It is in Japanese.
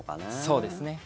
そうですね。